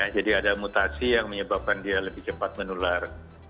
jadi ada mutasi yang menyebabkan dia lebih cepat menular